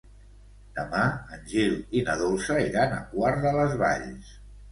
Demà en Gil i na Dolça iran a Quart de les Valls.